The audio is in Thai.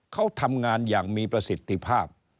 เขาทำงานอย่างมีประสิทธิภาพ